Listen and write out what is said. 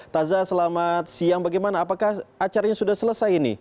taza selamat siang bagaimana apakah acaranya sudah selesai ini